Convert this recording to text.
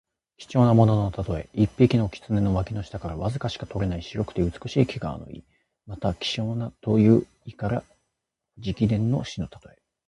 貴重なもののたとえ。一匹の狐の脇の下からわずかしか取れない白くて美しい毛皮の意。また、希少なという意から直言の士のたとえ。